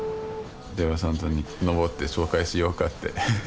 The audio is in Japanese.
出羽三山に登って紹介しようかって。